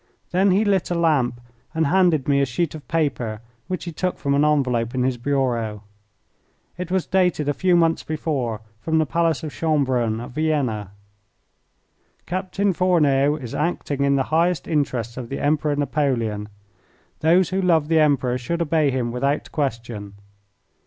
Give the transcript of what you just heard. There he lit a lamp and handed me a sheet of paper which he took from an envelope in his bureau. It was dated a few months before from the Palace of Schonbrunn at Vienna. "Captain Fourneau is acting in the highest interests of the Emperor Napoleon. Those who love the Emperor should obey him without question.